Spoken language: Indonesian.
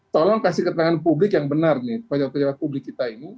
tolong kasih keterangan publik yang benar nih pejabat pejabat publik kita ini